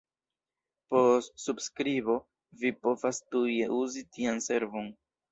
Post subskribo vi povas tuj uzi tian servon.